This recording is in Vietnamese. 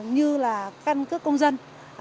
như là căn cước công dân